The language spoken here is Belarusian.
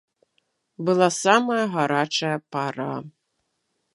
Была самая гарачая пара.